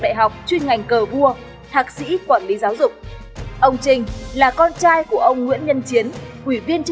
trao cho họ cơ hội được chữa khỏi bệnh